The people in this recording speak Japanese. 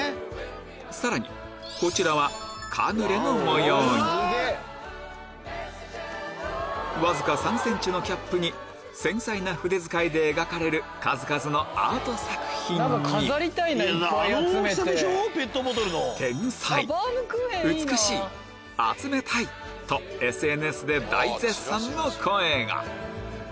さらにこちらはカヌレの模様にわずか３ｃｍのキャップに繊細な筆遣いで描かれる数々のアート作品に「天才」「美しい」「集めたい」とＳＮＳで大絶賛の声が！